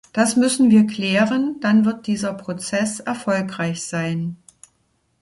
Das müssen wir klären, dann wird dieser Prozess erfolgreich sein.